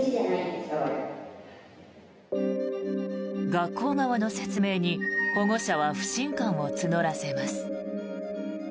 学校側の説明に保護者は不信感を募らせます。